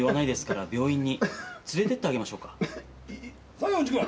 西園寺君。